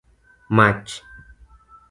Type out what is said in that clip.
mach